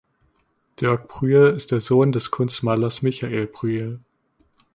Dirk Brüel ist der Sohn des Kunstmalers Michael Brüel.